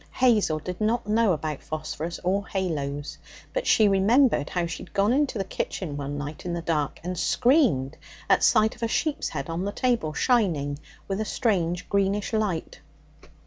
Hazel did not know about phosphorus or haloes, but she remembered how she had gone into the kitchen one night in the dark and screamed at sight of a sheep's head on the table, shining with a strange greenish light.